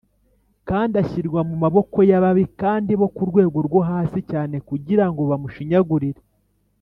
kandi ashyirwa mu maboko y’ababi kandi bo ku rwego rwo hasi cyane kugira ngo bamushinyagurire